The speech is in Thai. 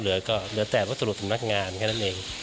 เหลือก็เหลือแต่วัสดุสำนักงานแค่นั้นเอง